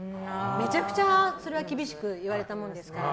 めちゃくちゃ、それは厳しく言われたものですから。